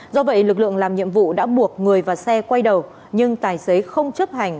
do vậy lực lượng làm nhiệm vụ đã buộc người và xe quay đầu nhưng tài xế không chấp hành